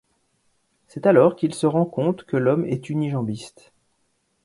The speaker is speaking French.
C'est alors qu'il se rend compte que l'homme est unijambiste.